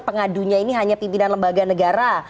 pengadunya ini hanya pimpinan lembaga negara